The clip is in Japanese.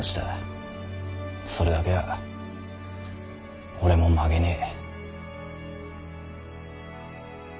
それだけは俺も曲げねぇ。